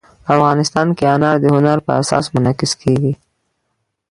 افغانستان کې انار د هنر په اثار کې منعکس کېږي.